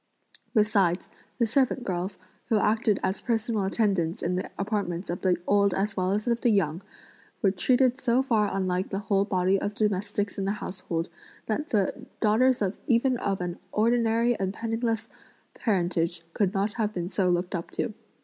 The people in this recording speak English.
Besides, the servant girls, who acted as personal attendants in the apartments of the old as well as of the young, were treated so far unlike the whole body of domestics in the household that the daughters even of an ordinary and penniless parentage could not have been so looked up to.